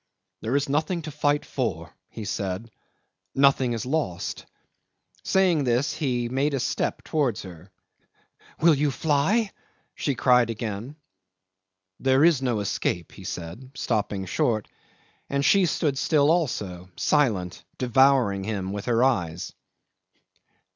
"There is nothing to fight for," he said; "nothing is lost." Saying this he made a step towards her. "Will you fly?" she cried again. "There is no escape," he said, stopping short, and she stood still also, silent, devouring him with her eyes.